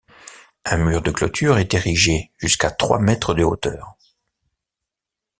Un mur de clôture est érigé jusqu'à trois mètres de hauteur.